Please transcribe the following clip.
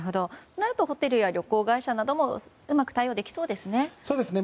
ホテルや旅行会社もうまく対応できそうですね。